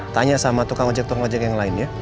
tanya sama tukang ojek tukang ojek yang lain ya